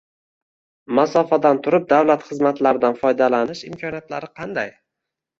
Masofadan turib davlat xizmatlaridan foydalanish: imkoniyatlar qanday?ng